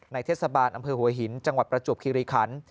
เทศบาลอำเภอหัวหินจังหวัดประจวบคิริคัน